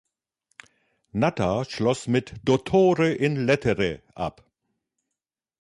Natta schloss mit "Dottore in lettere" ab.